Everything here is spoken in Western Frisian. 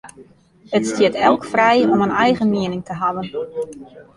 It stiet elk frij om in eigen miening te hawwen.